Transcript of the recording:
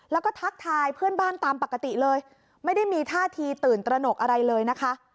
แล้วก็ทักทายเพื่อนบ้านตามปกติเลยไม่ได้มีท่าทีตื่นตระหนกอะไรเลยนะคะ